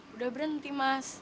udah berhenti mas